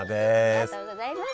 ありがとうございます。